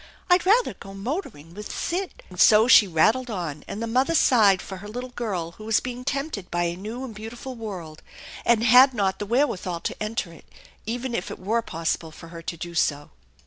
I'd rather go motoring with Sid " And so she rattled on, and the mother sighed for her little girl who was being tempted by a new and beautiful world, and had not the wherewithal to enter it, even if it were possible for her to do so.